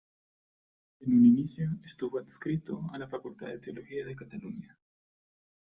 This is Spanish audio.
En un inicio estuvo adscrito a la Facultad de Teología de Cataluña.